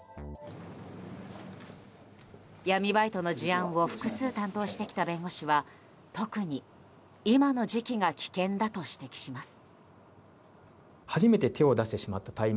闇バイトの事案を複数担当してきた弁護士は特に今の時期が危険だと指摘します。